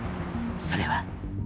それは。